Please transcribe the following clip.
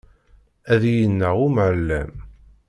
Ad iyi-ineɣ umɛellem.